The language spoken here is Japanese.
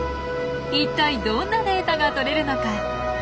一体どんなデータがとれるのか？